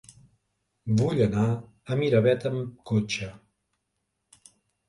Vull anar a Miravet amb cotxe.